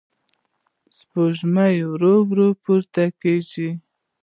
سپوږمۍ ورو ورو پورته کېږي.